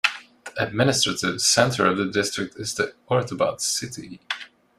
The administrative centre of the district is the Ordubad city.